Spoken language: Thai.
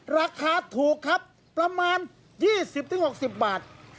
ราคาถูกครับประมาณ๒๐๖๐บาท